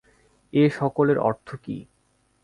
এ সকলের অর্থ কী?